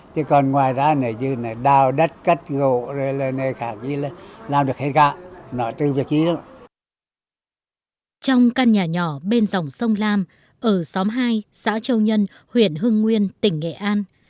trong căn nhà nhỏ bên dòng sông lam ở xóm hai xã châu nhân huyện hưng nguyên tỉnh nghệ an